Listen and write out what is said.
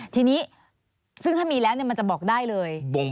ทีนี้ซึ่งถ้ามีแล้วมันจะบอกได้เลย